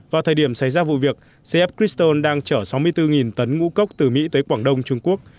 vào thời điểm xảy ra vụ việc cf christon đang chở sáu mươi bốn tấn ngũ cốc từ mỹ tới quảng đông trung quốc